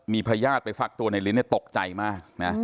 มีพยาดไปฝักตัวในลิ้นตกใจมาก